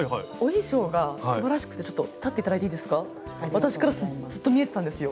私からずっと見えてたんですよ。